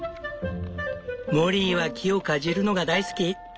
モリーは木をかじるのが大好き。